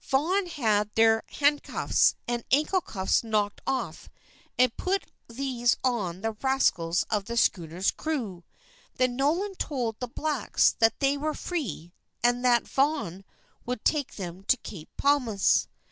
Vaughan had their handcuffs and ankle cuffs knocked off and put these on the rascals of the schooner's crew. Then Nolan told the blacks that they were free, and that Vaughan would take them to Cape Palmas.